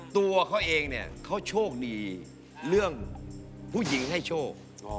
ตัวเขาเองเนี่ยเขาโชคดีเรื่องผู้หญิงให้โชค